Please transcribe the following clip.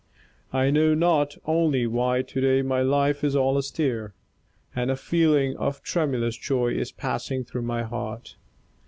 I know not only why today my life is all astir, and a feeling of tremulous joy is passing through my heart.